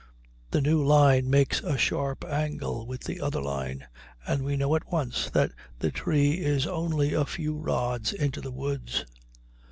The new line makes a sharp angle with the other line, and we know at once that the tree is only a few rods into the woods.